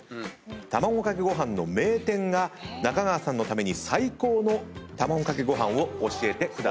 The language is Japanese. たまごかけごはんの名店が中川さんのために最高のたまごかけごはんを教えてくださいます。